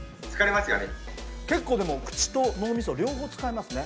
結構でも口と脳みそ両方使いますね。